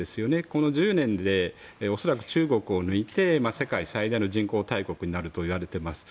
この１０年で恐らく中国を抜いて世界最大の人口大国になるといわれています。